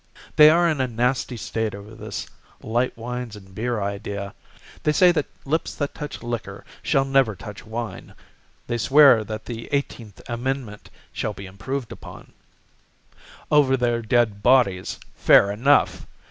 They are in a nasty state over this light wines and beer idea; They say that lips that touch liquor Shall never touch wine. They swear that the Eighteenth Amendment Shall be improved upon Over their dead bodies Fair enough!